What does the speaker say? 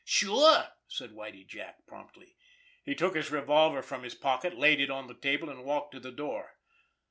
"Sure!" said Whitie Jack promptly. He took his revolver from his pocket, laid it on the table, and walked to the door.